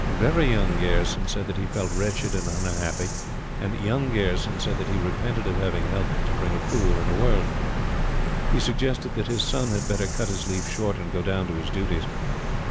"Very Young" Gayerson said that he felt wretched and unhappy; and "Young" Gayerson said that he repented of having helped to bring a fool into the world. He suggested that his son had better cut his leave short and go down to his duties.